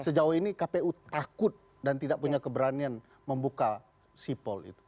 sejauh ini kpu takut dan tidak punya keberanian membuka sipol itu